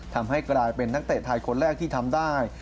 ทำให้กลายเป็นนักเตะไทยคนแรกที่ทำได้